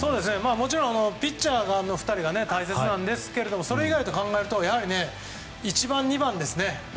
もちろんピッチャーの２人が大切なんですがそれ以外で考えると１番、２番ですね。